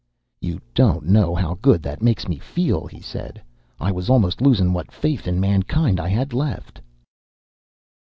"You don't know how good that makes me feel," he said. "I was almost losin' what faith in mankind I had left."